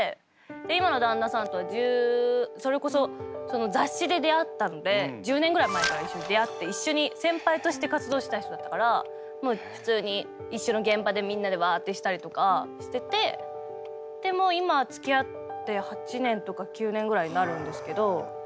今の旦那さんとはそれこそ雑誌で出会ったので１０年ぐらい前から一緒に出会って一緒に先輩として活動してた人だったからもう普通に一緒の現場でみんなでワァってしたりとかしててでもう今はつきあって８年とか９年ぐらいになるんですけど。